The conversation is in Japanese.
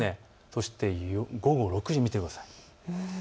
そして午後６時を見てください。